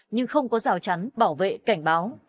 nhưng không có rào chắn bảo vệ cảnh báo